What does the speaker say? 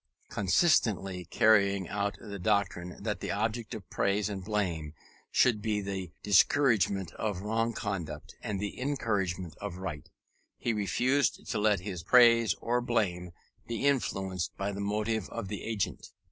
Consistently carrying out the doctrine that the object of praise and blame should be the discouragement of wrong conduct and the encouragement of right, he refused to let his praise or blame be influenced by the motive of the agent.